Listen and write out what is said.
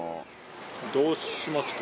どうします？